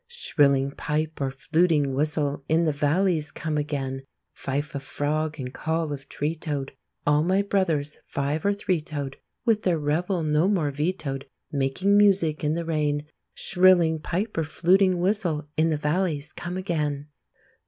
Shrilling pipe or fluting whistle, In the valleys come again; Fife of frog and call of tree toad, All my brothers, five or three toed, With their revel no more vetoed, Making music in the rain; Shrilling pipe or fluting whistle, In the valleys come again.